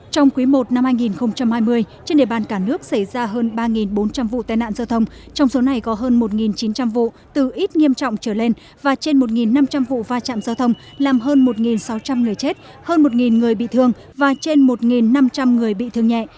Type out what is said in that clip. trong quý i năm hai nghìn hai mươi trên địa bàn cả nước xảy ra hơn ba bốn trăm linh vụ tai nạn giao thông trong số này có hơn một chín trăm linh vụ từ ít nghiêm trọng trở lên và trên một năm trăm linh vụ va chạm giao thông làm hơn một sáu trăm linh người chết hơn một người bị thương và trên một năm trăm linh người bị thương nhẹ